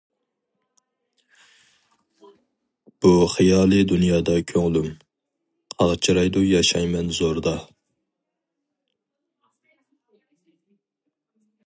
بۇ خىيالى دۇنيادا كۆڭلۈم، قاغجىرايدۇ ياشايمەن زوردا.